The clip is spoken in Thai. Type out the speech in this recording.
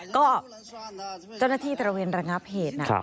ก็เจ้าหน้าที่ตระเวนรังงาเพจนะ